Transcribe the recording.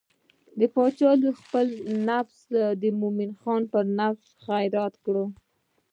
د باچا لور خپل نفس د مومن خان پر نفس خیرات کړ.